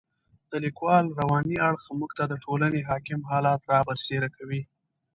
د لیکوال رواني اړخ موږ ته د ټولنې حاکم حالات را برسېره کوي.